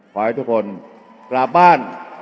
ขอให้ทุกคนกลับบ้าน